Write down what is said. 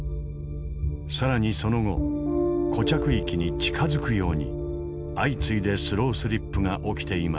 更にその後固着域に近づくように相次いでスロースリップが起きていました。